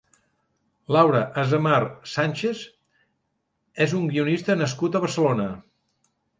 Laura Azemar Sánchez és un guionista nascut a Barcelona.